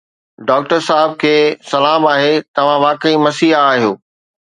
doctor صاحب کي سلام آهي توهان واقعي مسيحا آهيو